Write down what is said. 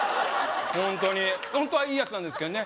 ホントにホントはいいやつなんですけどね